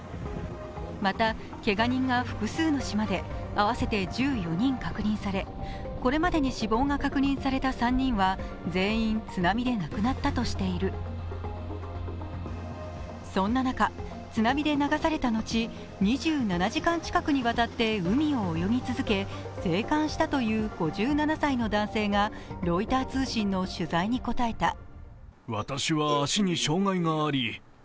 また、けが人が複数の島で合わせて１４人確認され、これまでに死亡が確認された３人は全員、津波で亡くなったとしているそんな中、津波で流されたのち２７時間近くにわたって海を泳ぎ続け生還したという５７歳の男性がロイター通信の取材に応えた。